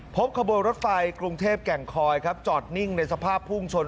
พบขบวนรถไฟกรุงเทพแก่งคอยจอดนิ่งในสภาพภูมิชน